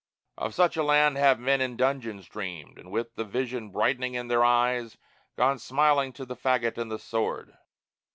Of such a land have men in dungeons dreamed, And with the vision brightening in their eyes Gone smiling to the fagot and the sword.